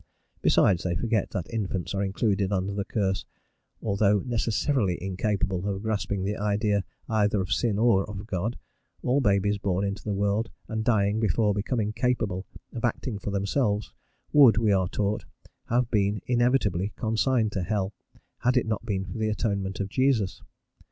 Besides, they forget that infants are included under the curse, although necessarily incapable of grasping the idea either of sin or of God; all babies born into the world and dying before becoming capable of acting for themselves would, we are taught, have been inevitably consigned to hell, had it not been for the Atonement of Jesus.